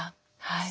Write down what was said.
はい。